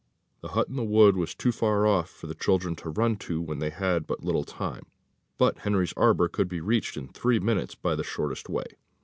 The hut in the wood was too far off for the children to run to when they had but little time; but Henry's arbour could be reached in three minutes by the shortest way.